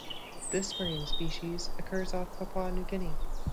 This marine species occurs off Papua New Guinea.